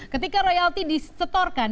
ketika royalti disetorkan